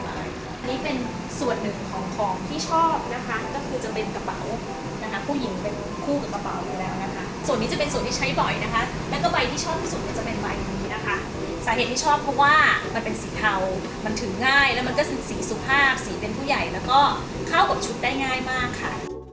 อันนี้เป็นส่วนหนึ่งของของที่ชอบนะคะก็คือจะเป็นกระเป๋านะคะผู้หญิงเป็นคู่กับกระเป๋าอยู่แล้วนะคะส่วนนี้จะเป็นส่วนที่ใช้บ่อยนะคะแล้วก็ใบที่ชอบที่สุดก็จะเป็นใบนี้นะคะสาเหตุที่ชอบเพราะว่ามันเป็นสีเทามันถือง่ายแล้วมันก็คือสีสุภาพสีเป็นผู้ใหญ่แล้วก็เข้ากับชุดได้ง่ายมากค่ะ